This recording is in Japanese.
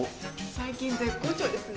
最近絶好調ですね。